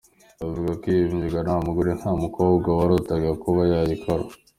Avuga ko iyo myuga nta mugore, nta mukobwa warotaga kuba yayikora.